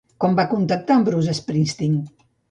Com van contactar amb Bruce Springsteen?